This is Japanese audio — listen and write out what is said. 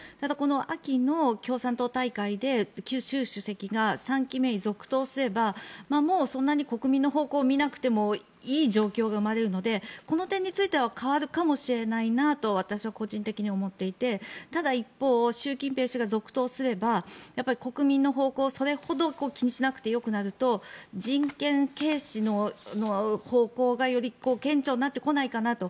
秋の共産党大会で習主席が３期目に続投すればそんなに国民の方向を見なくてもいい状況が生まれるのでこの点については変わるかもしれないなと私個人的には思っていてただ一方で、習近平氏が続投すれば国民の方向をそれほど気にしなくてよくなると人権軽視の方向がより顕著になってこないかなと。